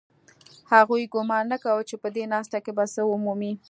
هغوی ګومان نه کاوه چې په دې ناسته کې به څه ومومي